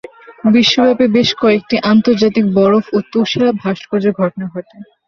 বিশ্বব্যাপী বেশ কয়েকটি আন্তর্জাতিক বরফ ও তুষার ভাস্কর্যের ঘটনা ঘটে।